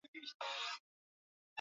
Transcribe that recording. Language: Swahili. kwa mfano wachezaji watano kwa watano